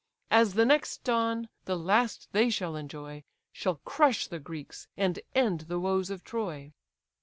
As the next dawn, the last they shall enjoy, Shall crush the Greeks, and end the woes of Troy."